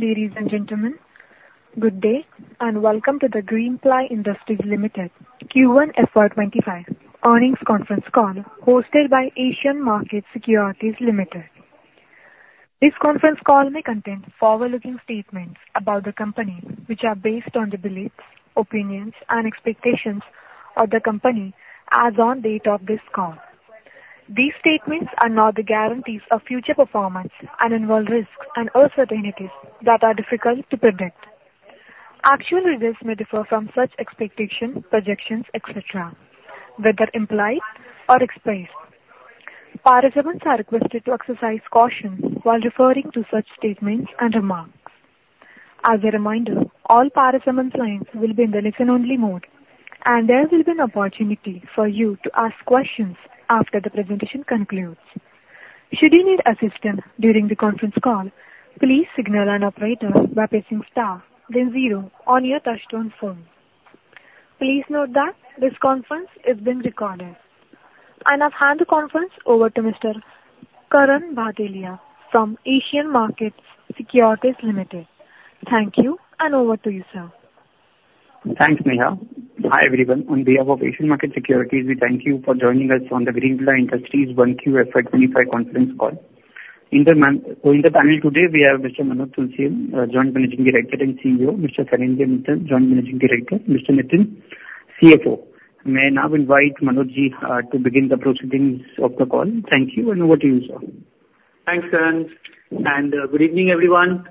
Ladies and gentlemen, good day, and welcome to the Greenply Industries Limited Q1 FY25 earnings conference call, hosted by Asian Markets Securities Private Limited. This conference call may contain forward-looking statements about the company, which are based on the beliefs, opinions, and expectations of the company as on date of this call. These statements are not the guarantees of future performance and involve risks and uncertainties that are difficult to predict. Actual results may differ from such expectations, projections, et cetera, whether implied or expressed. Participants are requested to exercise caution while referring to such statements and remarks. As a reminder, all participants' lines will be in the listen-only mode, and there will be an opportunity for you to ask questions after the presentation concludes. Should you need assistance during the conference call, please signal an operator by pressing star then zero on your touchtone phone. Please note that this conference is being recorded. I'll hand the conference over to Mr. Karan Bhatelia from Asian Markets Securities Limited. Thank you, and over to you, sir. Thanks, Neha. Hi, everyone. On behalf of Asian Markets Securities, we thank you for joining us on the Greenply Industries Q1 FY25 conference call. So in the panel today, we have Mr. Manoj Tulsian, Joint Managing Director and CEO, Mr. Sanidhya Mittal, Joint Managing Director, Mr. Nitin, CFO. May I now invite Manoj to begin the proceedings of the call. Thank you, and over to you, sir. Thanks, Karan, and good evening, everyone.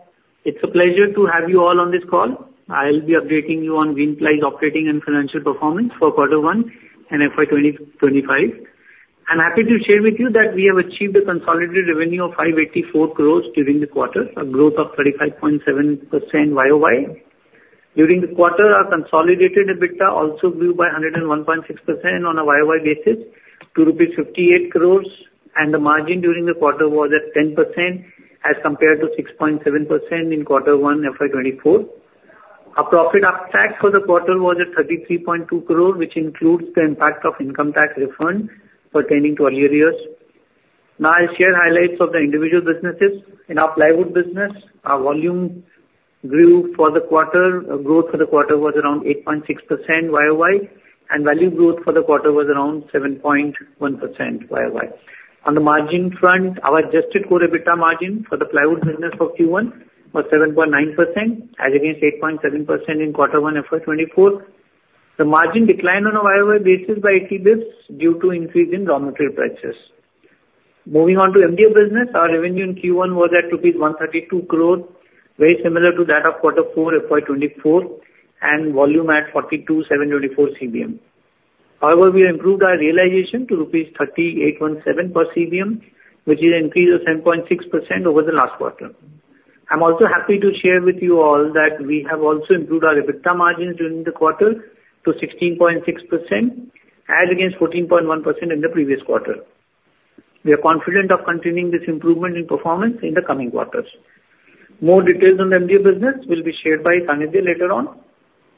It's a pleasure to have you all on this call. I'll be updating you on Greenply's operating and financial performance for quarter one and FY 2025. I'm happy to share with you that we have achieved a consolidated revenue of 584 crore during the quarter, a growth of 35.7% YOY. During the quarter, our consolidated EBITDA also grew by 101.6% on a YOY basis to rupees 58 crore, and the margin during the quarter was at 10% as compared to 6.7% in quarter one FY 2024. Our profit after tax for the quarter was at 33.2 crore, which includes the impact of income tax refunds pertaining to earlier years. Now, I'll share highlights of the individual businesses. In our Plywood business, our volume grew for the quarter, growth for the quarter was around 8.6% YOY, and value growth for the quarter was around 7.1% YOY. On the margin front, our adjusted core EBITDA margin for the Plywood business for Q1 was 7.9%, as against 8.7% in quarter one FY2024. The margin declined on a YOY basis by 80 basis points due to increase in raw material prices. Moving on to MDF business, our revenue in Q1 was at rupees 132 crore, very similar to that of quarter four FY2024, and volume at 42,734 CBM. However, we improved our realization to rupees 3,817 per CBM, which is an increase of 10.6% over the last quarter. I'm also happy to share with you all that we have also improved our EBITDA margins during the quarter to 16.6%, as against 14.1% in the previous quarter. We are confident of continuing this improvement in performance in the coming quarters. More details on the MDF business will be shared by Sanidhya later on.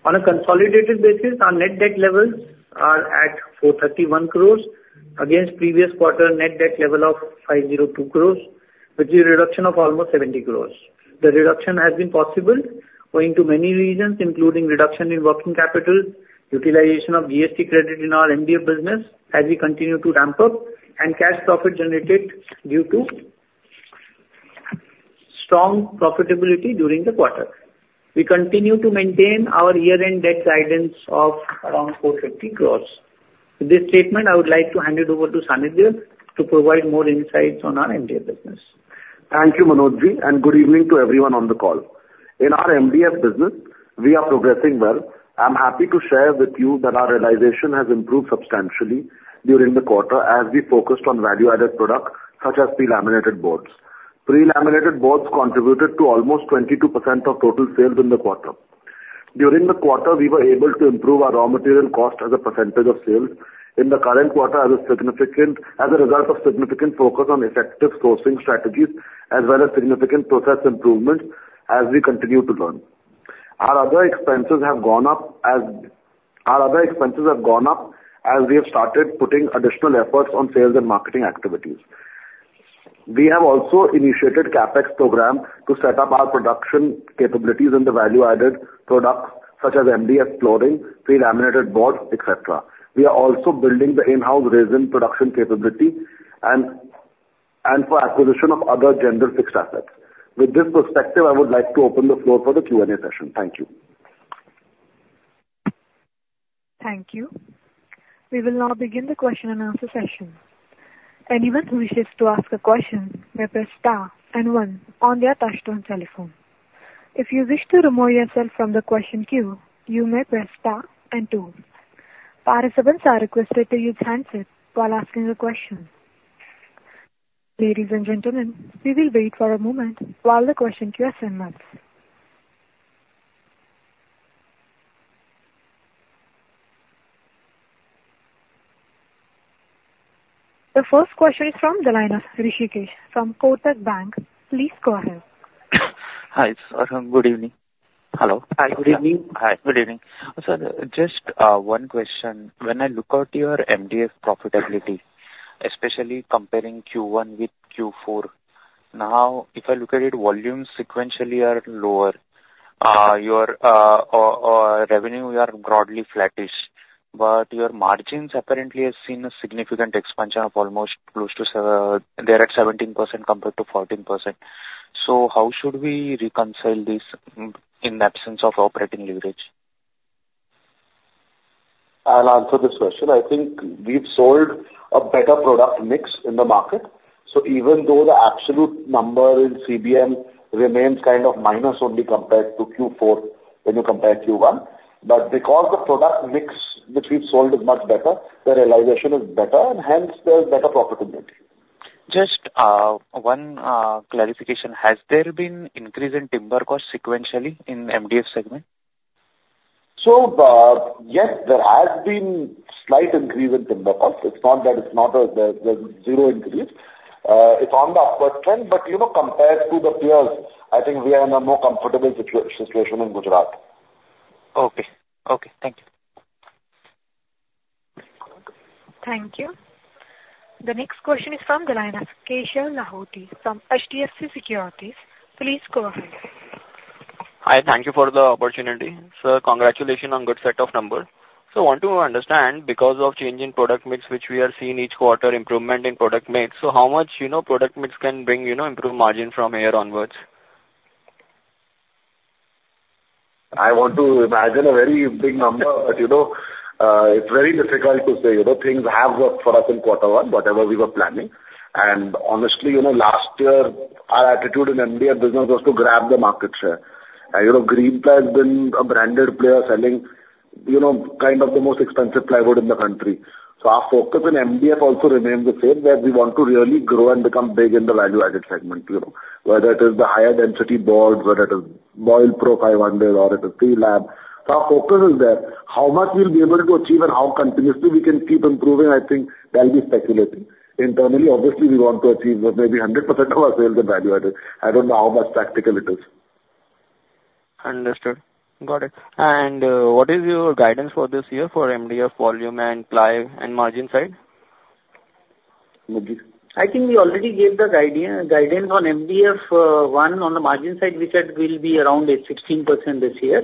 On a consolidated basis, our net debt levels are at 431 crore, against previous quarter net debt level of 502 crore, which is a reduction of almost 70 crore. The reduction has been possible owing to many reasons, including reduction in working capital, utilization of GST credit in our MDF business as we continue to ramp up, and cash profit generated due to strong profitability during the quarter. We continue to maintain our year-end debt guidance of around 450 crore. With this statement, I would like to hand it over to Sanidhya to provide more insights on our MDF business. Thank you, Manoj Ji, and good evening to everyone on the call. In our MDF business, we are progressing well. I'm happy to share with you that our realization has improved substantially during the quarter as we focused on value-added products, such as pre-laminated boards. Pre-laminated boards contributed to almost 22% of total sales in the quarter. During the quarter, we were able to improve our raw material cost as a percentage of sales. In the current quarter, as a result of significant focus on effective sourcing strategies, as well as significant process improvements as we continue to learn. Our other expenses have gone up as we have started putting additional efforts on sales and marketing activities. We have also initiated CapEx program to set up our production capabilities in the value-added products, such as MDF flooring, pre-laminated boards, et cetera. We are also building the in-house resin production capability and for acquisition of other general fixed assets. With this perspective, I would like to open the floor for the Q&A session. Thank you. Thank you. We will now begin the question and answer session. Anyone who wishes to ask a question may press star and one on their touchtone telephone. If you wish to remove yourself from the question queue, you may press star and two. Participants are requested to use handset while asking the question. Ladies and gentlemen, we will wait for a moment while the question queue is seamless. The first question is from the line of Hrishikesh from Kotak Bank. Please go ahead. Hi, it's Agar, good evening. Hello. Hi, good evening. Hi, good evening. Sir, just one question: When I look at your MDF profitability, especially comparing Q1 with Q4, now, if I look at it, volumes sequentially are lower. Your overall revenue, you are broadly flattish, but your margins apparently have seen a significant expansion of almost close to 17% compared to 14%. So how should we reconcile this in the absence of operating leverage? I'll answer this question. I think we've sold a better product mix in the market, so even though the absolute number in CBM remains kind of minus only compared to Q4 when you compare Q1, but because the product mix which we've sold is much better, the realization is better, and hence there is better profitability. Just one clarification: Has there been increase in timber cost sequentially in MDF segment? Yes, there has been slight increase in timber cost. It's not that it's not a zero increase. It's on the upward trend, but, you know, compared to the peers, I think we are in a more comfortable situation in Gujarat. Okay. Okay, thank you. Thank you. The next question is from the line of Keshav Lahoti from HDFC Securities. Please go ahead. Hi, thank you for the opportunity. Sir, congratulations on good set of numbers. So want to understand, because of change in product mix, which we are seeing each quarter, improvement in product mix, so how much, you know, product mix can bring, you know, improve margin from here onwards? I want to imagine a very big number, but, you know, it's very difficult to say. You know, things have worked for us in quarter one, whatever we were planning. And honestly, you know, last year, our attitude in MDF business was to grab the market share. And, you know, Greenply has been a branded player selling, you know, kind of the most expensive plywood in the country. So our focus in MDF also remains the same, that we want to really grow and become big in the value-added segment, you know, whether it is the higher density boards, whether it is Boil Pro 500 or the Club. So our focus is there. How much we'll be able to achieve and how continuously we can keep improving, I think that will be speculating. Internally, obviously, we want to achieve maybe 100% of our sales and value added. I don't know how much practical it is. Understood. Got it. What is your guidance for this year for MDF volume and ply and margin side? Manoj? I think we already gave the guidance on MDF. On the margin side, we said we'll be around 8-16% this year.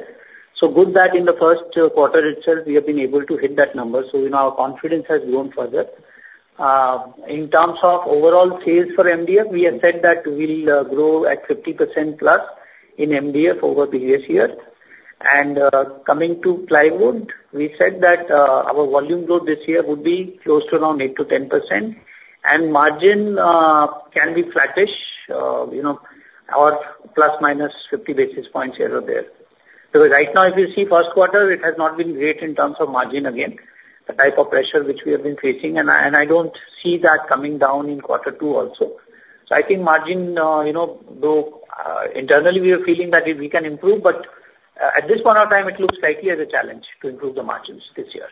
So good that in the first quarter itself, we have been able to hit that number, so, you know, our confidence has grown further. In terms of overall sales for MDF, we have said that we'll grow at 50%+ in MDF over previous years. And, coming to plywood, we said that our volume growth this year would be close to around 8%-10%, and margin can be flattish, you know, or plus minus 50 basis points here or there. Because right now, if you see first quarter, it has not been great in terms of margin, again, the type of pressure which we have been facing, and I, and I don't see that coming down in quarter two also. So I think margin, you know, though internally we are feeling that we can improve, but at this point of time it looks slightly as a challenge to improve the margins this year.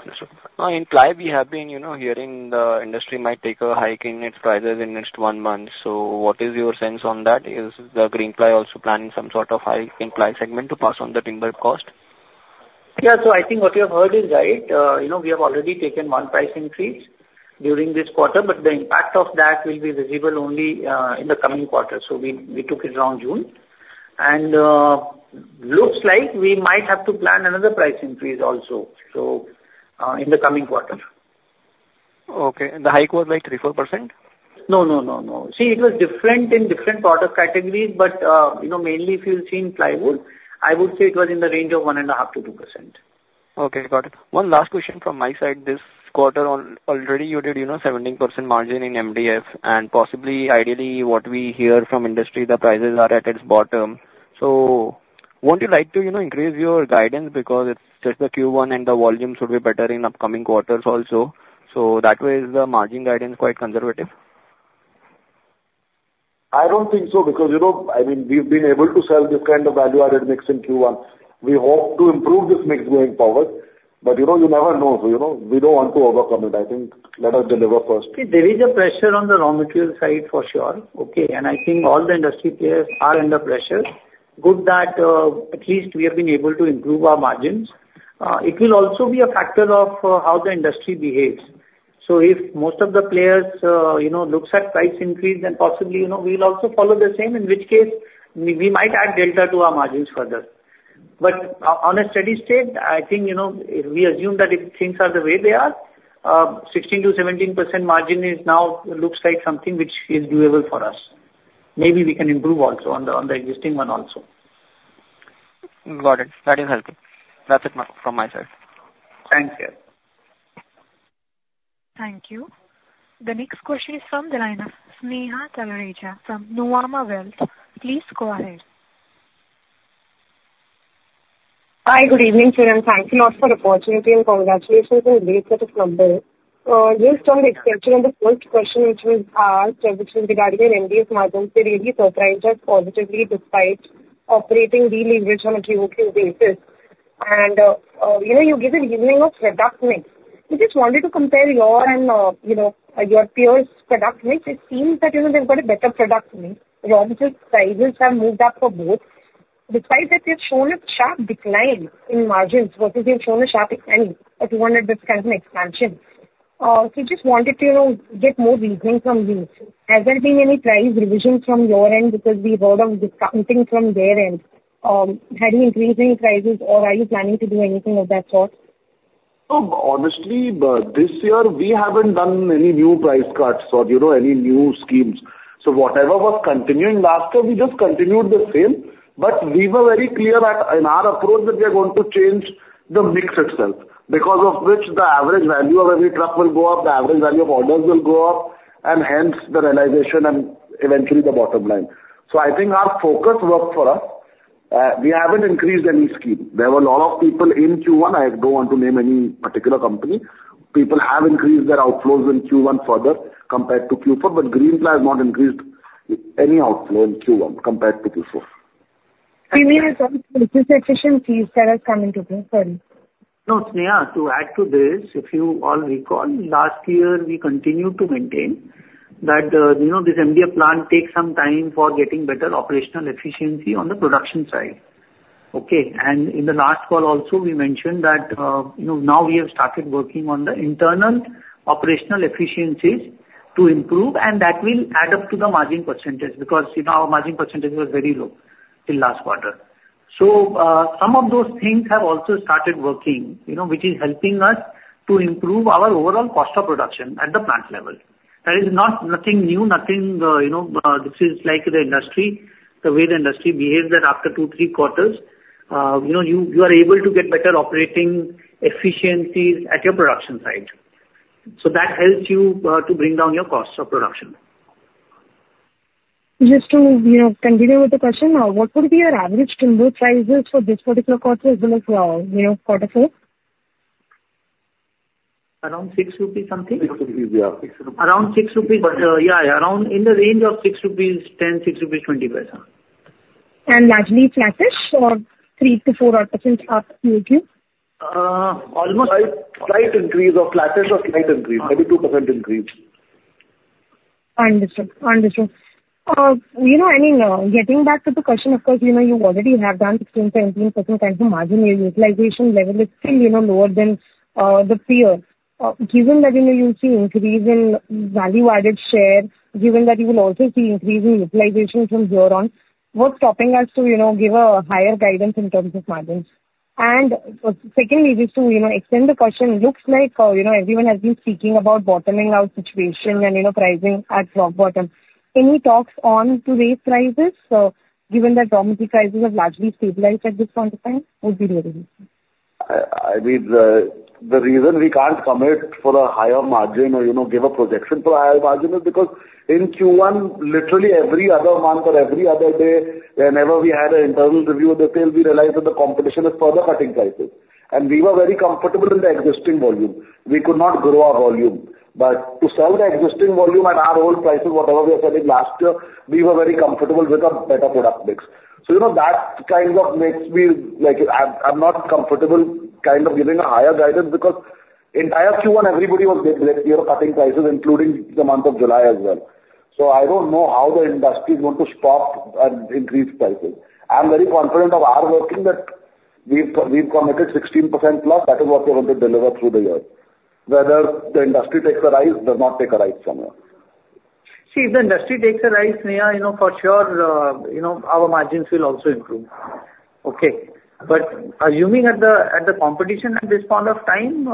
Understood. Now, in ply we have been, you know, hearing the industry might take a hike in its prices in next one month. So what is your sense on that? Is the Greenply also planning some sort of hike in ply segment to pass on the timber cost? Yeah. So I think what you have heard is right. You know, we have already taken one price increase during this quarter, but the impact of that will be visible only in the coming quarter. So we, we took it around June. And looks like we might have to plan another price increase also, so in the coming quarter. Okay, and the hike was like 3%-4%? No, no, no, no. See, it was different in different product categories, but, you know, mainly if you've seen plywood, I would say it was in the range of 1.5%-2%. Okay, got it. One last question from my side. This quarter already you did, you know, 17% margin in MDF, and possibly, ideally, what we hear from industry, the prices are at its bottom. So won't you like to, you know, increase your guidance? Because it's just the Q1, and the volumes should be better in upcoming quarters also. So that way, is the margin guidance quite conservative? I don't think so, because, you know, I mean, we've been able to sell this kind of value-added mix in Q1. We hope to improve this mix going forward, but, you know, you never know, you know? We don't want to overcommit. I think, let us deliver first. There is a pressure on the raw material side, for sure, okay? And I think all the industry players are under pressure. Good that at least we have been able to improve our margins. It will also be a factor of how the industry behaves. So if most of the players you know looks at price increase, then possibly, you know, we'll also follow the same, in which case we might add delta to our margins further. But on a steady state, I think, you know, if we assume that if things are the way they are, 16%-17% margin is now looks like something which is doable for us. Maybe we can improve also on the existing one also. Got it. That is helpful. That's it from myself. Thank you. Thank you. The next question is from the line of Sneha Talreja from Nuvama Wealth. Please go ahead. Hi, good evening, sir, and thank you a lot for the opportunity, and congratulations on the set of numbers. Just on expansion on the first question which was asked, which was regarding your MDF margins, it really surprised us positively despite operating the leverage on a quarter basis. And, you know, you gave a giving of product mix. We just wanted to compare your and, you know, your peers' product mix. It seems that, you know, they've got a better product mix. Your prices have moved up for both. Besides that, you've shown a sharp decline in margins, versus you've shown a sharp expand, if you wanted this kind of expansion. So just wanted to, you know, get more reasoning from you. Has there been any price revisions from your end? Because we heard of discounting from their end. Have you increased any prices, or are you planning to do anything of that sort? No, honestly, but this year we haven't done any new price cuts or, you know, any new schemes. So whatever was continuing last year, we just continued the same, but we were very clear that in our approach, that we are going to change the mix itself, because of which the average value of every truck will go up, the average value of orders will go up, and hence the realization and eventually the bottom line. So I think our focus worked for us. We haven't increased any scheme. There were a lot of people in Q1, I don't want to name any particular company. People have increased their outflows in Q1 further compared to Q4, but Greenply has not increased any outflow in Q1 compared to Q4. I mean, it's also the cost efficiency that has come into play. Sorry. No, Sneha, to add to this, if you all recall, last year, we continued to maintain that, you know, this MDF plant takes some time for getting better operational efficiency on the production side. Okay. And in the last call also, we mentioned that, you know, now we have started working on the internal operational efficiencies to improve, and that will add up to the margin percentage, because, you know, our margin percentage was very low in last quarter. So, some of those things have also started working, you know, which is helping us to improve our overall cost of production at the plant level. That is not nothing new, nothing, you know, this is like the industry, the way the industry behaves that after 2, 3 quarters, you know, you are able to get better operating efficiency at your production site. That helps you to bring down your costs of production. Just to, you know, continue with the question, what would be your average tender prices for this particular quarter as well as, you know, quarter four? Around 6 rupees something. 6 rupees, yeah, INR 6. Around 6 rupees, but in the range of 6.10-6.20 rupees. Largely flattish or 3-4 odd% up, maybe? Uh, almost- Slight, slight increase or flattish or slight increase, maybe 2% increase. Understood. Understood. You know, I mean, getting back to the question, of course, you know, you already have done 16%-17% kind of margin utilization level is still, you know, lower than the peer. Given that, you know, you see increase in value-added share, given that you will also see increase in utilization from here on, what's stopping us to, you know, give a higher guidance in terms of margins? And secondly, just to, you know, extend the question, looks like, you know, everyone has been speaking about bottoming out situation and, you know, pricing at rock bottom. Any talks on to raise prices, given that raw material prices have largely stabilized at this point of time would be very useful. I mean, the reason we can't commit for a higher margin or, you know, give a projection for a higher margin is because in Q1, literally every other month or every other day, whenever we had an internal review of the sale, we realized that the competition is further cutting prices. We were very comfortable in the existing volume. We could not grow our volume, but to sell the existing volume at our old prices, whatever we were selling last year, we were very comfortable with a better product mix. So, you know, that kind of makes me, like, I'm not comfortable kind of giving a higher guidance because entire Q1, everybody was, you know, cutting prices, including the month of July as well. So I don't know how the industry is going to stop and increase prices. I'm very confident of our working, that we've committed 16% plus, that is what we're going to deliver through the year. Whether the industry takes a rise, does not take a rise somewhere. See, if the industry takes a rise, Sneha, you know, for sure, you know, our margins will also improve. Okay? But assuming at the, at the competition at this point of time,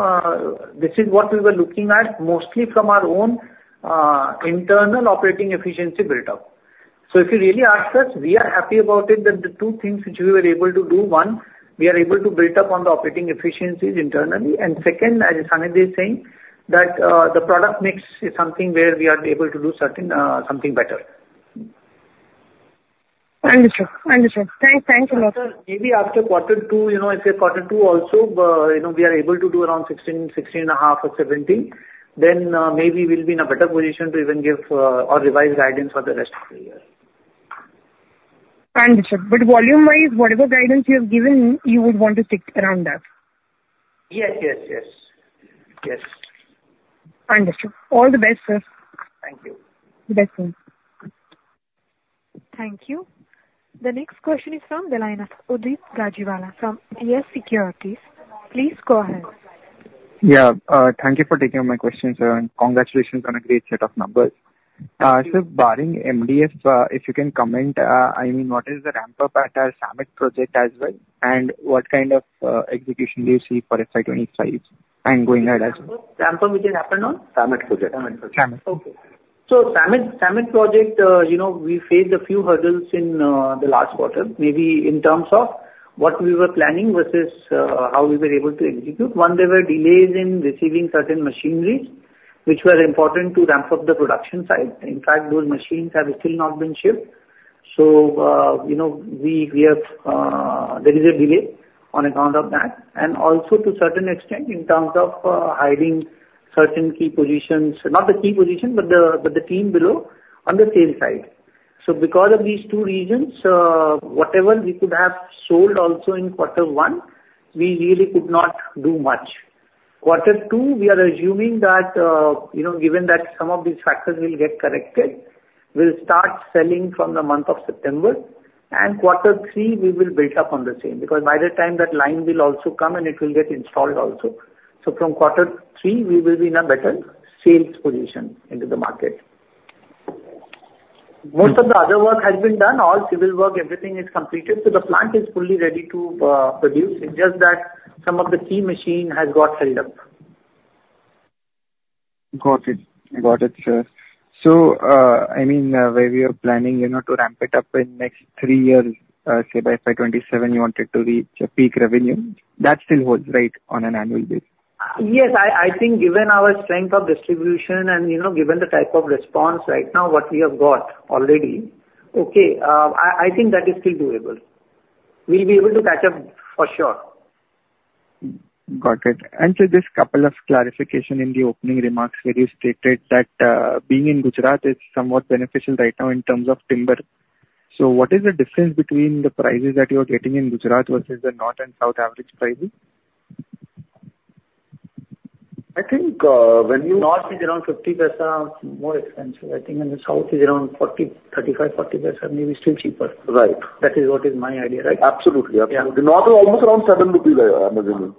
this is what we were looking at, mostly from our own, internal operating efficiency build-up. So if you really ask us, we are happy about it, that the two things which we were able to do, one, we are able to build up on the operating efficiencies internally. And second, as Sanidhya is saying, that, the product mix is something where we are able to do certain, something better. Understood. Understood. Thank you so much. Maybe after quarter two, you know, if the quarter two also, you know, we are able to do around 16, 16.5, or 17, then, maybe we'll be in a better position to even give, or revise guidance for the rest of the year. Understood. Volume-wise, whatever guidance you have given, you would want to stick around that? Yes, yes, yes. Yes. Understood. All the best, sir. Thank you. The best thing. Thank you. The next question is from Udit Gajiwala from YES Securities. Please go ahead. Yeah, thank you for taking my questions, and congratulations on a great set of numbers. So barring MDF, if you can comment, I mean, what is the ramp-up at our SAMET project as well, and what kind of execution do you see for FY25 and going ahead as well? Ramp-up which has happened on? SAMET project. SAMET project. SAMET. Okay. So SAMET, SAMET project, you know, we faced a few hurdles in the last quarter, maybe in terms of what we were planning versus how we were able to execute. One, there were delays in receiving certain machineries, which were important to ramp up the production side. In fact, those machines have still not been shipped. So, you know, we have there is a delay on account of that, and also to certain extent, in terms of hiring certain key positions, not the key position, but the team below on the sales side. So because of these two reasons, whatever we could have sold also in quarter one, we really could not do much. Quarter two, we are assuming that, you know, given that some of these factors will get corrected, we'll start selling from the month of September, and quarter three, we will build up on the same, because by the time that line will also come in, it will get installed also. So from quarter three, we will be in a better sales position into the market. Most of the other work has been done. All civil work, everything is completed, so the plant is fully ready to produce. It's just that some of the key machine has got held up. Got it. Got it, sir. So, I mean, where we are planning, you know, to ramp it up in next three years, say by 2027, you wanted to reach a peak revenue. That still holds, right, on an annual basis? Yes, I think given our strength of distribution and, you know, given the type of response right now, what we have got already, okay, I think that is still doable. We'll be able to catch up for sure. Got it. And so just couple of clarification in the opening remarks where you stated that, being in Gujarat is somewhat beneficial right now in terms of timber. So what is the difference between the prices that you're getting in Gujarat versus the north and south average pricing? I think, when you- North is around 0.50, more expensive, I think, and the south is around 0.40, 0.35-0.40, maybe still cheaper. Right. That is what is my idea, right? Absolutely. Yeah. The north is almost around 7 rupees on average.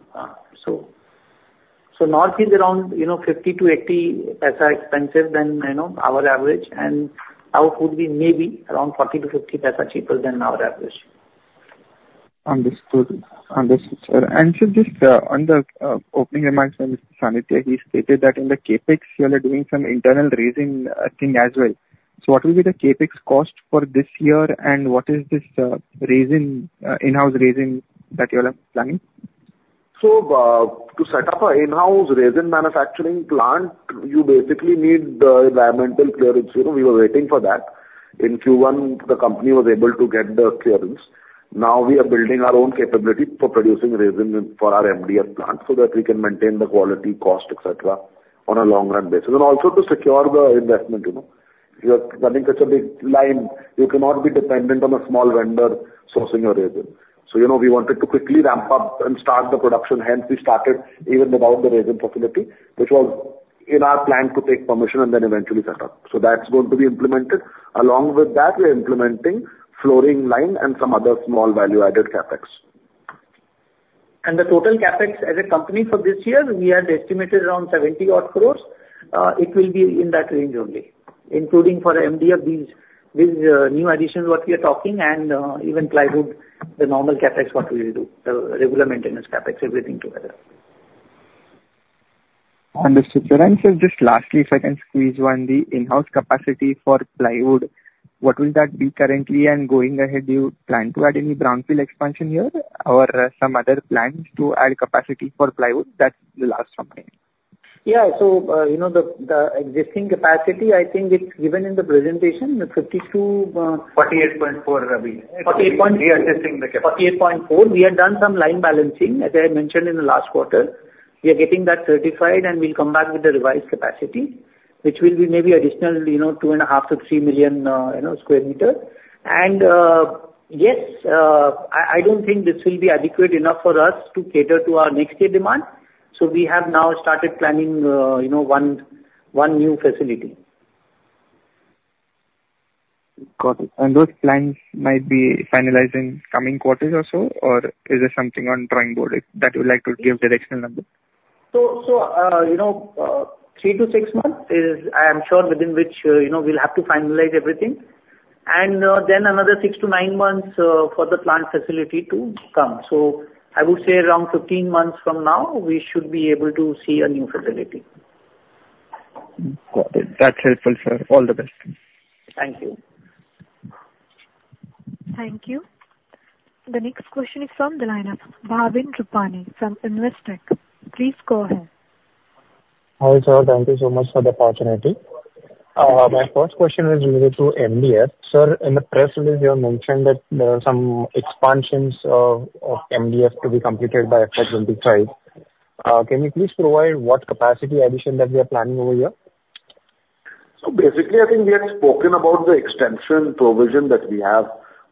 North is around, you know, 0.50-0.80 expensive than, you know, our average, and south would be maybe around 0.40-0.50 cheaper than our average. Understood. Understood, sir. And so just on the opening remarks by Mr. Sanidhya, he stated that in the CapEx, you are doing some internal raising thing as well. So what will be the CapEx cost for this year, and what is this in-house raising that you all are planning? So, to set up an in-house resin manufacturing plant, you basically need the environmental clearance. You know, we were waiting for that. In Q1, the company was able to get the clearance. Now we are building our own capability for producing resin for our MDF plant so that we can maintain the quality, cost, et cetera, on a long-run basis, and also to secure the investment, you know. You are running such a big line, you cannot be dependent on a small vendor sourcing your resin. So, you know, we wanted to quickly ramp up and start the production, hence, we started even without the resin facility, which was in our plan to take permission and then eventually set up. So that's going to be implemented. Along with that, we're implementing flooring line and some other small value-added CapEx. The total CapEx as a company for this year, we had estimated around 70 odd crores. It will be in that range only, including for MDF, these new additions, what we are talking and even plywood, the normal CapEx, what we will do, the regular maintenance CapEx, everything together. Understood. And so just lastly, if I can squeeze one, the in-house capacity for plywood, what will that be currently, and going ahead, do you plan to add any brownfield expansion here or some other plans to add capacity for plywood? That's the last one from me. Yeah. So, you know the existing capacity, I think it's given in the presentation, the 52, 48.4 will be. Forty-eight point- We are testing the capacity. 48.4. We have done some line balancing, as I had mentioned in the last quarter. We are getting that certified, and we'll come back with the revised capacity, which will be maybe additional, you know, 2.5 million-3 million square meters. And, yes, I, I don't think this will be adequate enough for us to cater to our next year demand, so we have now started planning, you know, one new facility. Got it. Those plans might be finalized in coming quarters or so, or is there something on drawing board that you would like to give directional number? So, you know, 3-6 months is, I am sure, within which, you know, we'll have to finalize everything. And, then another 6-9 months, for the plant facility to come. So I would say around 15 months from now, we should be able to see a new facility. Got it. That's helpful, sir. All the best. Thank you. Thank you. The next question is from the line of Bhavin Rupani from Investec. Please go ahead. Hi, sir. Thank you so much for the opportunity. My first question was related to MDF. Sir, in the press release, you have mentioned that some expansions of MDF to be completed by FY25. Can you please provide what capacity addition that we are planning over here? So basically, I think we had spoken about the extension provision that we have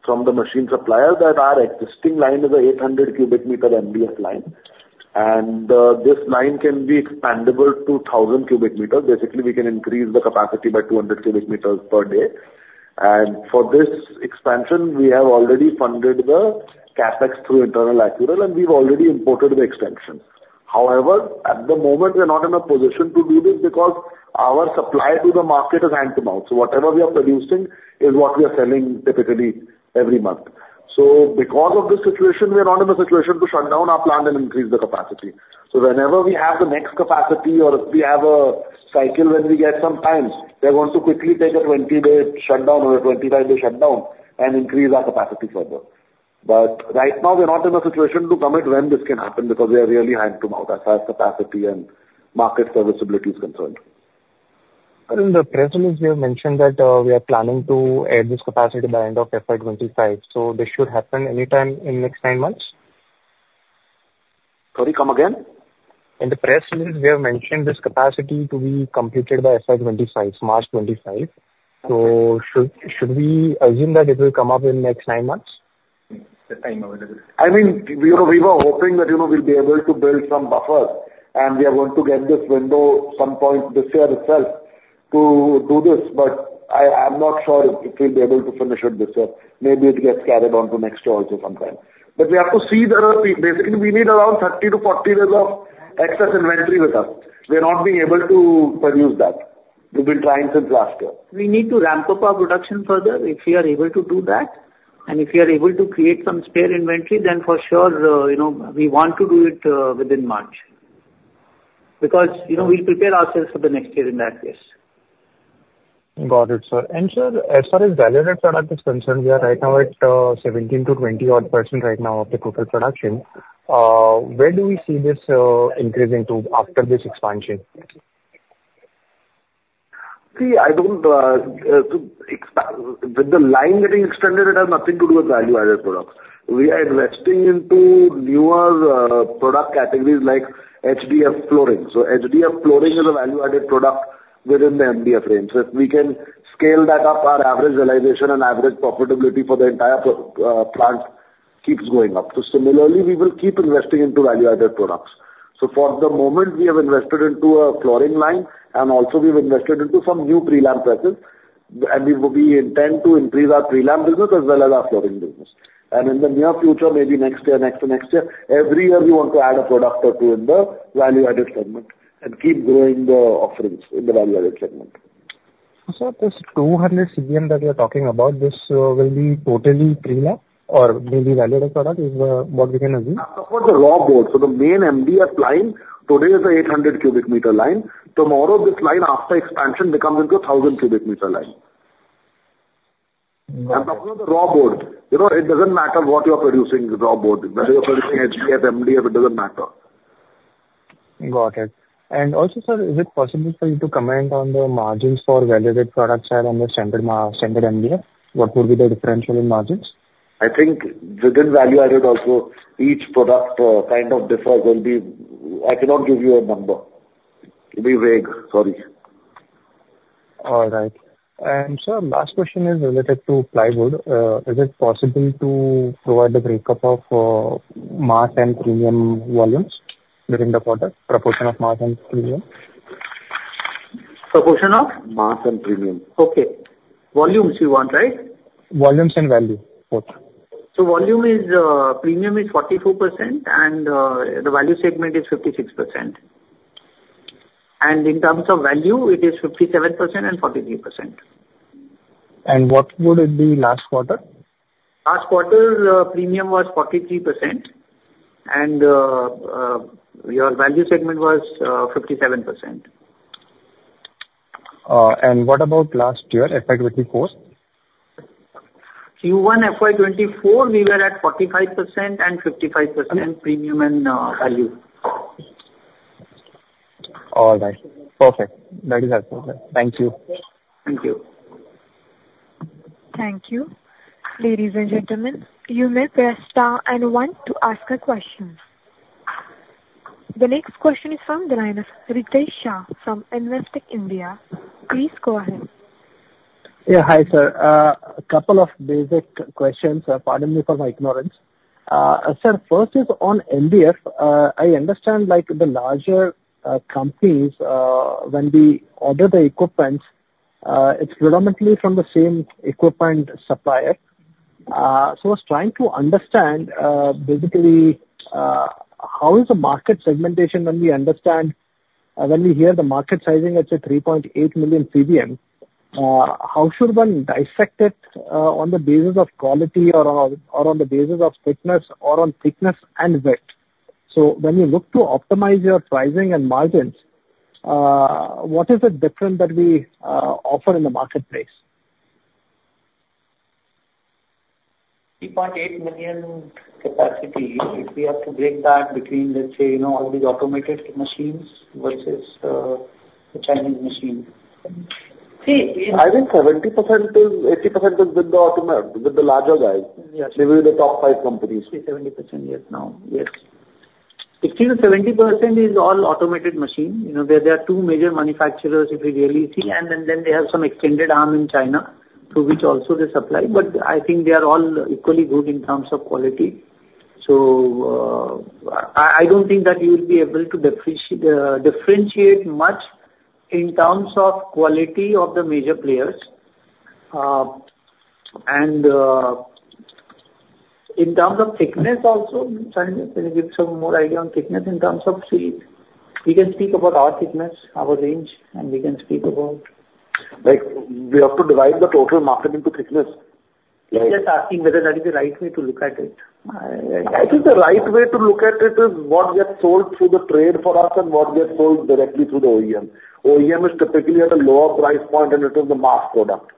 from the machine supplier, that our existing line is an 800 cubic meter MDF line, and this line can be expandable to 1,000 cubic meter. Basically, we can increase the capacity by 200 cubic meters per day. And for this expansion, we have already funded the CapEx through internal accrual, and we've already imported the extension. However, at the moment, we are not in a position to do this because our supply to the market is hand-to-mouth, so whatever we are producing is what we are selling typically every month. So because of this situation, we are not in a situation to shut down our plant and increase the capacity. Whenever we have the next capacity or if we have a cycle when we get some time, we are going to quickly take a 20-day shutdown or a 25-day shutdown and increase our capacity further. But right now, we are not in a situation to commit when this can happen, because we are really hand to mouth as far as capacity and market serviceability is concerned. In the press release, you have mentioned that we are planning to add this capacity by end of FY25, so this should happen anytime in the next 9 months? Sorry, come again? In the press release, we have mentioned this capacity to be completed by FY25, March 2025. So should we assume that it will come up in the next nine months? I mean, we were hoping that, you know, we'll be able to build some buffer, and we are going to get this window some point this year itself to do this, but I'm not sure if we'll be able to finish it this year. Maybe it gets carried on to next year also sometime. But we have to see, basically, we need around 30-40 days of excess inventory with us. We're not being able to produce that. We've been trying since last year. We need to ramp up our production further. If we are able to do that, and if we are able to create some spare inventory, then for sure, you know, we want to do it, within March. Because, you know, we'll prepare ourselves for the next year in that case. Got it, sir. And sir, as far as value-added product is concerned, we are right now at 17%-20-odd% right now of the total production. Where do we see this increasing to after this expansion? See, with the line getting extended, it has nothing to do with value-added products. We are investing into newer product categories like HDF flooring. So HDF flooring is a value-added product within the MDF range. So if we can scale that up, our average realization and average profitability for the entire plant keeps going up. So similarly, we will keep investing into value-added products. So for the moment, we have invested into a flooring line, and also we've invested into some new prelam presses, and we, we intend to increase our Prelam business as well as our Flooring business. And in the near future, maybe next year, next to next year, every year we want to add a product or two in the value-added segment and keep growing the offerings in the value-added segment. This 200 CBM that you're talking about, this will be totally prelam or will be value-added product, is what we can assume? I'm talking the raw board, so the main MDF line today is the 800 cubic meter line. Tomorrow, this line, after expansion, becomes into a 1,000 cubic meter line. Got it. The raw board, you know, it doesn't matter what you are producing the raw board. Whether you're producing HDF, MDF, it doesn't matter. Got it. And also, sir, is it possible for you to comment on the margins for value-added products and on the standard MDF? What would be the differential in margins? I think within value-added also, each product, kind of differs only... I cannot give you a number. It'll be vague. Sorry. All right. And sir, last question is related to plywood. Is it possible to provide the breakup of mass and premium volumes during the quarter, proportion of mass and premium? Proportion of? Mass and premium. Okay. Volumes you want, right? Volumes and value, both. So volume is, premium is 44%, and, the value segment is 56%. And in terms of value, it is 57% and 43%. What would it be last quarter? Last quarter, premium was 43%, and your value segment was 57%. What about last year, FY 2024? Q1 FY 2024, we were at 45% and 55% premium and value. All right. Perfect. That is helpful, sir. Thank you. Thank you. Thank you. Ladies and gentlemen, you may press star and one to ask a question. The next question is from the line of Ritesh Shah from Investec India. Please go ahead. Yeah, hi, sir. A couple of basic questions. Pardon me for my ignorance. Sir, first is on MDF. I understand, like, the larger companies, when we order the equipments, it's predominantly from the same equipment supplier. So I was trying to understand, basically, how is the market segmentation when we understand, when we hear the market sizing, let's say, 3.8 million CBM, how should one dissect it, on the basis of quality or on, or on the basis of thickness or on thickness and width? So when you look to optimize your pricing and margins, what is the difference that we offer in the marketplace? 3.8 million capacity, if we have to break that between, let's say, you know, all these automated machines versus the Chinese machines. See, I think 70%-80% is with the OEMs, with the larger guys. Yes. Maybe the top five companies. 70%, yes, now, yes. 60%-70% is all automated machine. You know, there, there are two major manufacturers, if you really see, and then, then they have some extended arm in China, through which also they supply, but I think they are all equally good in terms of quality. So, I, I don't think that you will be able to differentiate much in terms of quality of the major players. And, in terms of thickness also, Sanidhya, can you give some more idea on thickness in terms of... See, we can speak about our thickness, our range, and we can speak about- Like, we have to divide the total market into thickness. He's just asking whether that is the right way to look at it. I think the right way to look at it is what gets sold through the trade for us and what gets sold directly through the OEM. OEM is typically at a lower price point, and it is the mass product.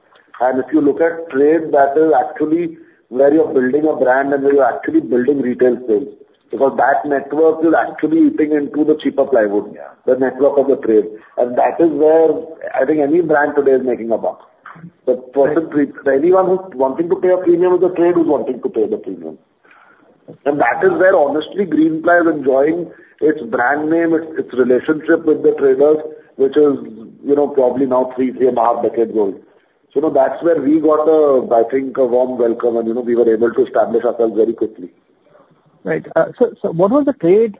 If you look at trade, that is actually where you're building a brand, and where you're actually building retail space, because that network is actually eating into the cheaper plywood. Yeah. The network of the trade. And that is where I think any brand today is making a buck. But for anyone who's wanting to pay a premium with the trade, who's wanting to pay the premium. And that is where, honestly, Greenply is enjoying its brand name, its, its relationship with the traders, which is, you know, probably now 3, 3.5 decades old. So that's where we got a, I think, a warm welcome, and, you know, we were able to establish ourselves very quickly. Right. So what was the trade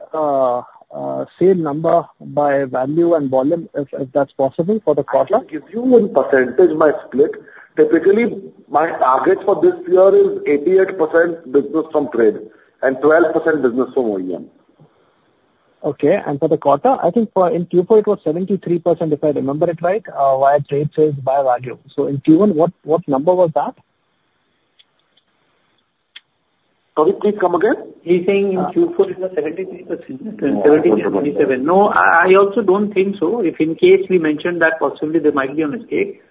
sale number by value and volume, if that's possible, for the quarter? I can give you in percentage by split. Typically, my target for this year is 88% business from trade and 12% business from OEM. Okay. And for the quarter, I think for in Q4 it was 73%, if I remember it right, via trade sales by value. So in Q1, what, what number was that? Sorry, please come again. He's saying in Q4 it was 73%. No, I, I also don't think so. If in case we mentioned that possibility, there might be a mistake.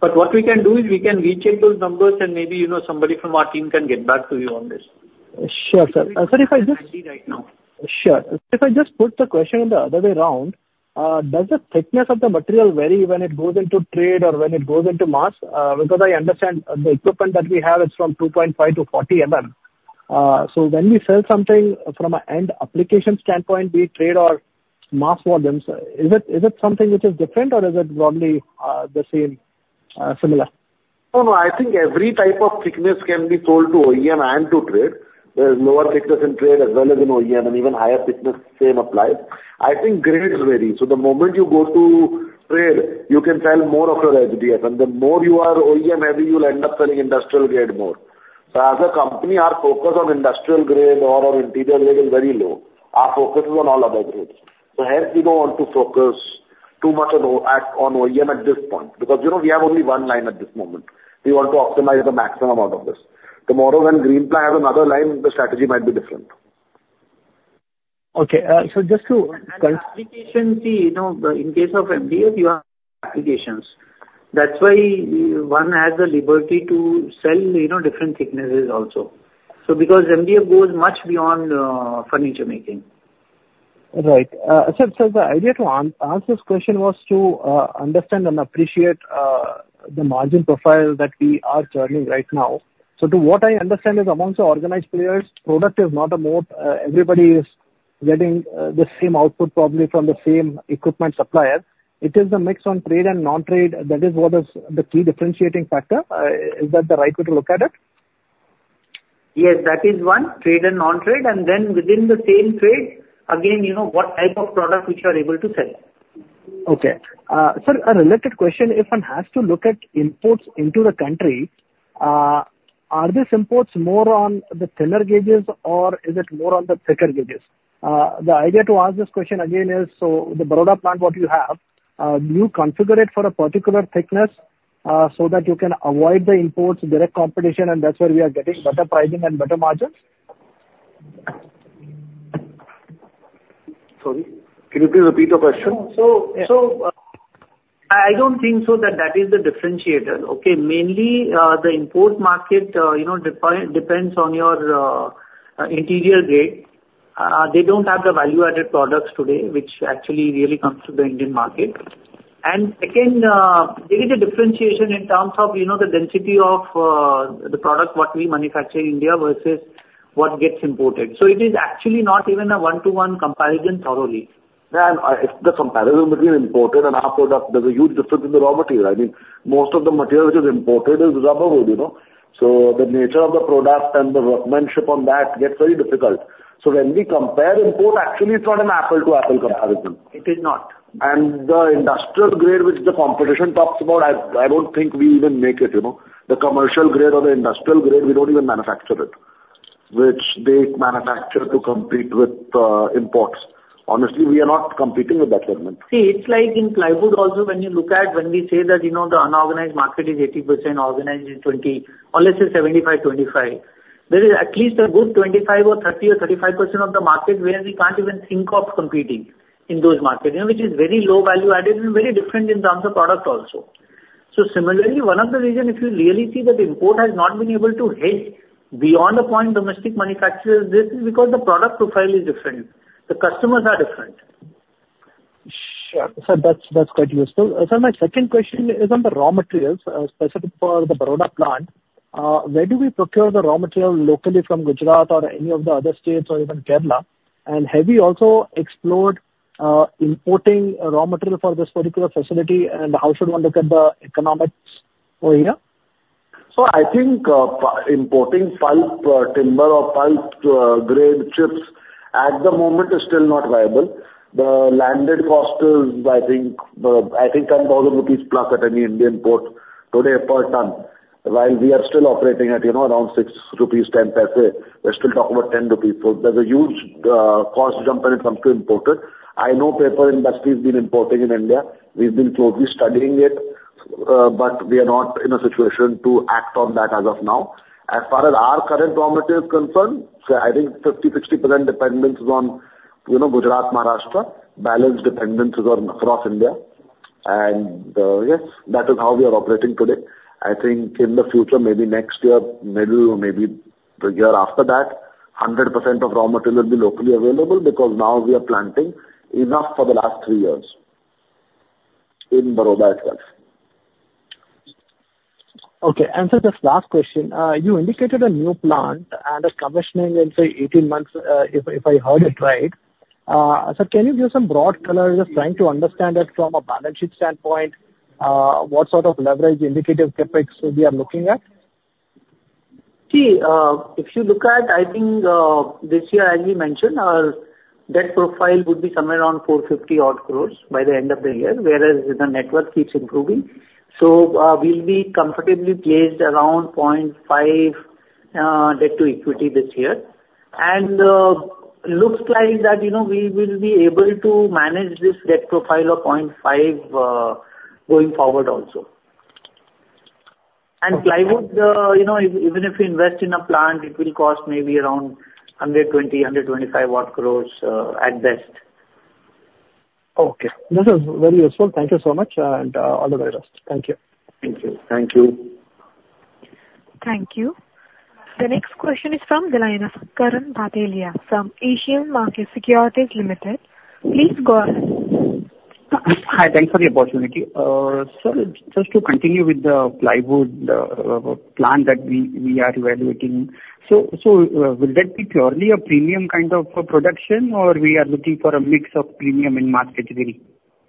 But what we can do is we can recheck those numbers and maybe, you know, somebody from our team can get back to you on this. Sure, sir. Sir, if I just- Right now. Sure. If I just put the question in the other way around, does the thickness of the material vary when it goes into trade or when it goes into mass? Because I understand the equipment that we have is from 2.5 to 40 MM. So when we sell something from an end application standpoint, be it trade or mass volumes, is it, is it something which is different or is it probably, the same, similar? No, no. I think every type of thickness can be sold to OEM and to trade. There is lower thickness in trade as well as in OEM and even higher thickness, same applies. I think grades vary. So the moment you go to trade, you can sell more of your MDF, and the more you are OEM, maybe you will end up selling industrial grade more. So as a company, our focus on industrial grade or on interior grade is very low. Our focus is on all other grades. So hence, we don't want to focus too much on OEM at this point, because, you know, we have only one line at this moment. We want to optimize the maximum out of this. Tomorrow, when Greenply has another line, the strategy might be different. Okay, so just to- Application, see, you know, in case of MDF, you have applications. That's why one has the liberty to sell, you know, different thicknesses also. So because MDF goes much beyond furniture making. Right. Sir, sir, the idea to answer this question was to understand and appreciate the margin profile that we are churning right now. So to what I understand is amongst the organized players, product is not a mode. Everybody is getting the same output probably from the same equipment supplier. It is the mix on trade and non-trade, that is what is the key differentiating factor. Is that the right way to look at it? Yes, that is one, trade and non-trade, and then within the same trade, again, you know, what type of product which you are able to sell. Okay. Sir, a related question: If one has to look at imports into the country, are these imports more on the thinner gauges or is it more on the thicker gauges? The idea to ask this question again is, so the Baroda plant, what you have, do you configure it for a particular thickness, so that you can avoid the imports, direct competition, and that's where we are getting better pricing and better margins? Sorry, can you please repeat the question? I don't think so that is the differentiator, okay? Mainly, the import market, you know, depends on your interior grade. They don't have the value-added products today, which actually really comes to the Indian market. And again, there is a differentiation in terms of, you know, the density of the product, what we manufacture in India versus what gets imported. So it is actually not even a one-to-one comparison thoroughly. Yeah, and if the comparison between imported and our product, there's a huge difference in the raw material. I mean, most of the material which is imported is rubberwood, you know? So the nature of the product and the workmanship on that gets very difficult. So when we compare import, actually, it's not an apple-to-apple comparison. It is not. The industrial grade, which the competition talks about, I don't think we even make it, you know. The commercial grade or the industrial grade, we don't even manufacture it, which they manufacture to compete with imports. Honestly, we are not competing with that segment. See, it's like in plywood also, when you look at when we say that, you know, the unorganized market is 80%, organized is 20, or let's say 75, 25, there is at least a good 25 or 30 or 35% of the market where we can't even think of competing in those markets, you know, which is very low value added and very different in terms of product also. So similarly, one of the reason, if you really see that import has not been able to hit beyond the point domestic manufacturers, this is because the product profile is different. The customers are different. Sure. Sir, that's, that's quite useful. Sir, my second question is on the raw materials, specific for the Baroda plant. Where do we procure the raw material locally from Gujarat or any of the other states or even Kerala? And have you also explored, importing raw material for this particular facility? And how should one look at the economics over here? So I think, importing pulp, timber or pulp, grade chips at the moment is still not viable. The landed cost is, I think, I think 10,000+ rupees at any Indian port today per ton, while we are still operating at, you know, around 6.10 rupees, we're still talking about 10 rupees. So there's a huge cost jump when it comes to imported. I know paper industry has been importing in India. We've been closely studying it, but we are not in a situation to act on that as of now. As far as our current raw material is concerned, so I think 50%-60% dependence is on, you know, Gujarat, Maharashtra. Balance dependence is on across India. And, yes, that is how we are operating today. I think in the future, maybe next year, maybe, maybe the year after that-... 100% of raw material will be locally available because now we are planting enough for the last three years in Baroda itself. Okay. Sir, just last question. You indicated a new plant and a commissioning in, say, 18 months, if, if I heard it right. Sir, can you give some broad color? Just trying to understand it from a balance sheet standpoint, what sort of leverage indicative CapEx we are looking at? See, if you look at, I think, this year, as we mentioned, our debt profile would be somewhere around 450-odd crore by the end of the year, whereas the net worth keeps improving. So, we'll be comfortably placed around 0.5 debt-to-equity this year. And looks like that, you know, we will be able to manage this debt profile of 0.5 going forward also. Okay. Plywood, you know, even if we invest in a plant, it will cost maybe around 120-125 odd crore, at best. Okay. This is very useful. Thank you so much, and all the very best. Thank you. Thank you. Thank you. Thank you. The next question is from the line of Karan Bhatelia from Asian Markets Securities Private Limited. Please go ahead. Hi, thanks for the opportunity. Sir, just to continue with the plywood plant that we are evaluating. Will that be purely a premium kind of a production, or we are looking for a mix of premium and mass category?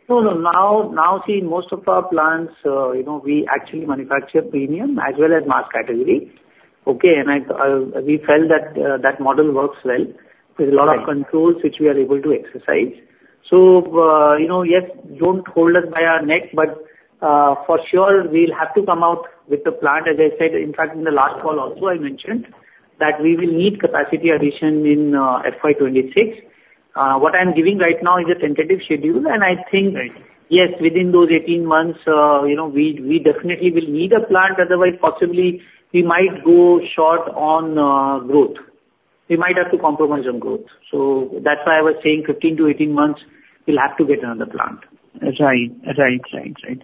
No, no. Now, now, see, most of our plants, you know, we actually manufacture premium as well as mass category. Okay, and I, we felt that, that model works well. Right. There's a lot of controls which we are able to exercise. So, you know, yes, don't hold us by our neck, but, for sure, we'll have to come out with the plant. As I said, in fact, in the last call also I mentioned that we will need capacity addition in FY 26. What I'm giving right now is a tentative schedule, and I think- Right. Yes, within those 18 months, you know, we definitely will need a plant, otherwise possibly we might go short on growth. We might have to compromise on growth. So that's why I was saying 15-18 months, we'll have to get another plant. That's right. That's right. Right. Right.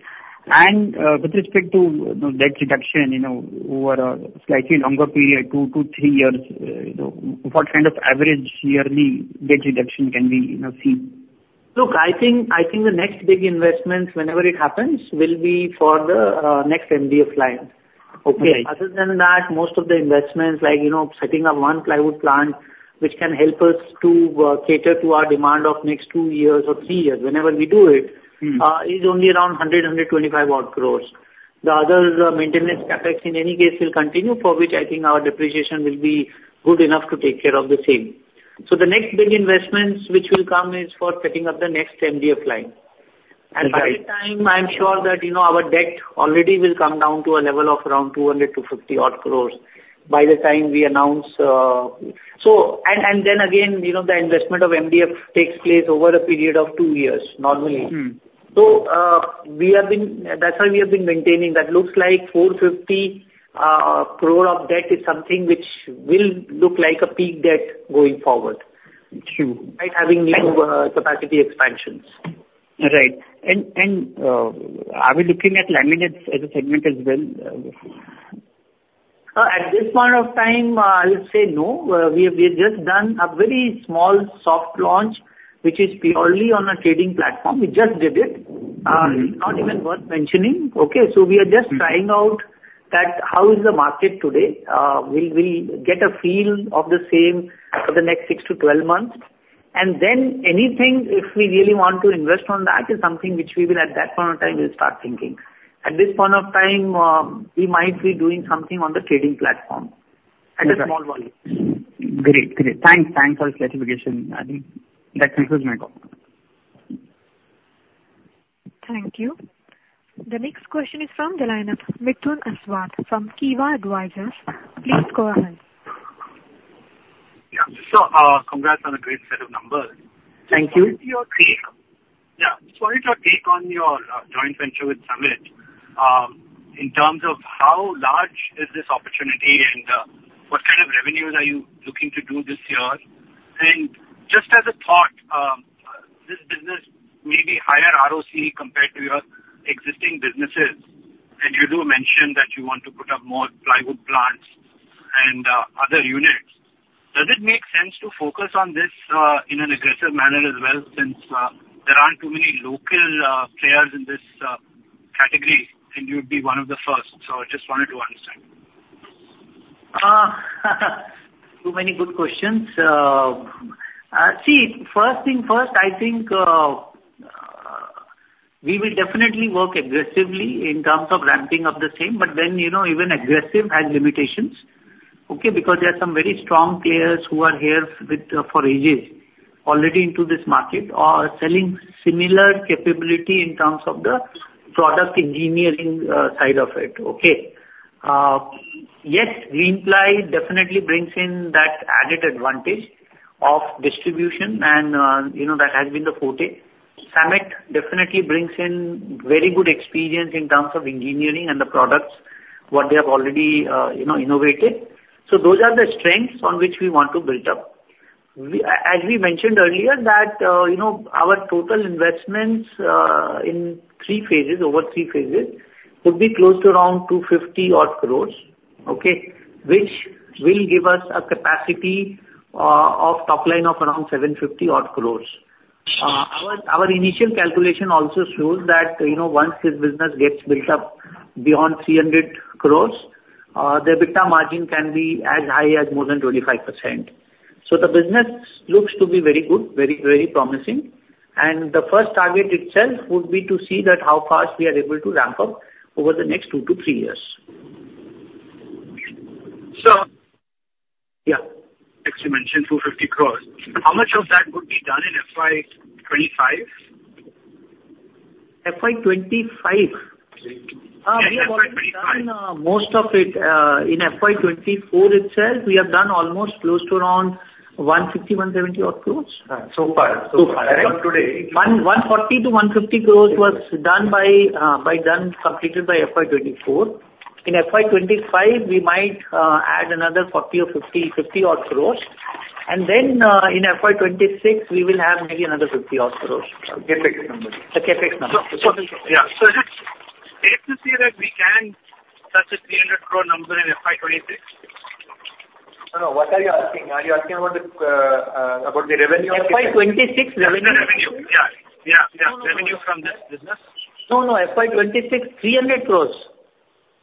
And, with respect to, you know, debt reduction, you know, over a slightly longer period, 2-3 years, you know, what kind of average yearly debt reduction can we, you know, see? Look, I think, I think the next big investment, whenever it happens, will be for the next MDF line. Okay. Other than that, most of the investments like, you know, setting up one plywood plant, which can help us to cater to our demand of next two years or three years, whenever we do it- Mm. is only around 125 odd crore. The other maintenance CapEx, in any case, will continue, for which I think our depreciation will be good enough to take care of the same. So the next big investments which will come is for setting up the next MDF line. Right. By the time, I'm sure that, you know, our debt already will come down to a level of around 200-250-odd crore by the time we announce. So, and then again, you know, the investment of MDF takes place over a period of two years, normally. Mm. So, that's why we have been maintaining that. Looks like 450 crore of debt is something which will look like a peak debt going forward. Thank you. By having new capacity expansions. Right. And are we looking at laminates as a segment as well? At this point of time, I'll say no. We have just done a very small soft launch, which is purely on a trading platform. We just did it. Mm-hmm. Not even worth mentioning. Okay, so we are just trying out that how is the market today. We'll get a feel of the same for the next 6-12 months. Then anything, if we really want to invest on that, is something which we will, at that point in time, start thinking. At this point of the time, we might be doing something on the trading platform- Right. at a small volume. Great, great. Thanks. Thanks for the clarification. I think that concludes my call. Thank you. The next question is from the line of Mithun Aswath from Kivah Advisors. Please go ahead. Yeah. So, congrats on a great set of numbers. Thank you. Yeah. So what is your take on your joint venture with SAMET? In terms of how large is this opportunity, and what kind of revenues are you looking to do this year? And just as a thought, this business may be higher ROC compared to your existing businesses, and you do mention that you want to put up more plywood plants and other units. Does it make sense to focus on this in an aggressive manner as well, since there aren't too many local players in this category, and you'd be one of the first? So I just wanted to understand. Too many good questions. See, first thing first, I think, we will definitely work aggressively in terms of ramping up the same, but then, you know, even aggressive has limitations. Okay, because there are some very strong players who are here with, for ages, already into this market, selling similar capability in terms of the product engineering, side of it, okay? Yes, Greenply definitely brings in that added advantage of distribution and, you know, that has been the forte. SAMET definitely brings in very good experience in terms of engineering and the products, what they have already, you know, innovated. So those are the strengths on which we want to build up. We, as we mentioned earlier, that, you know, our total investments in three phases, over three phases, would be close to around 250 crore, okay? Which will give us a capacity of top line of around 750 crore. Our initial calculation also shows that, you know, once this business gets built up beyond 300 crore, the EBITDA margin can be as high as more than 25%. So the business looks to be very good, very, very promising, and the first target itself would be to see that how fast we are able to ramp up over the next 2-3 years. So- Yeah. As you mentioned, 250 crore. How much of that would be done in FY25? FY twenty-five? Yeah, FY 25. We have done most of it in FY 2024 itself. We have done almost close to around 150-170 odd crore. So far. So far. So today- 140 crore-150 crore was done by, completed by FY 2024. In FY 2025, we might add another 40 or 50, 50 odd crore, and then, in FY 2026, we will have maybe another 50 odd crore. CAPEX number. The CapEx number. Is it safe to say that we can touch the 300 crore number in FY 26? No, no, what are you asking? Are you asking about the, about the revenue? FY26 revenue. Revenue, yeah. Yeah, yeah. Revenue from this business? No, no. FY 2026, 300 crore.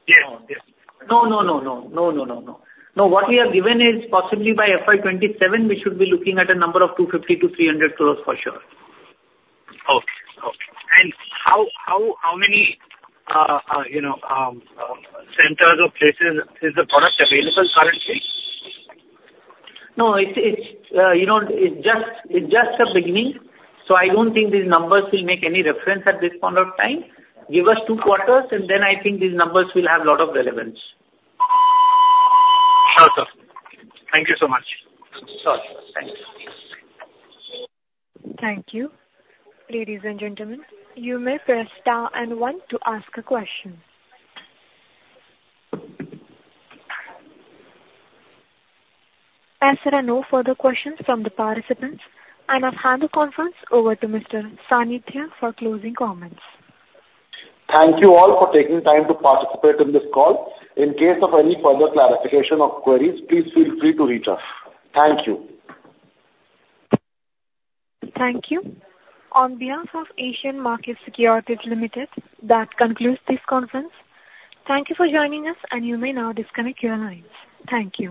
Yes. Yes. No, no, no, no. No, no, no, no. No, what we have given is possibly by FY 2027, we should be looking at a number of 250 crore-300 crore, for sure. Okay. Okay. And how many, you know, centers or places is the product available currently? No, it's, you know, it's just a beginning, so I don't think these numbers will make any reference at this point of time. Give us two quarters, and then I think these numbers will have a lot of relevance. Sure, sir. Thank you so much. Sure. Thank you. Thank you. Ladies and gentlemen, you may press star and one to ask a question. As there are no further questions from the participants, I now hand the conference over to Mr. Sanidhya for closing comments. Thank you all for taking time to participate in this call. In case of any further clarification or queries, please feel free to reach us. Thank you. Thank you. On behalf of Asian Markets Securities Limited, that concludes this conference. Thank you for joining us, and you may now disconnect your lines. Thank you.